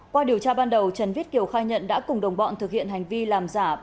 qua điều tra ban đầu trần viết kiều khai nhận đã cùng đồng bọn thực hiện hành vi làm giả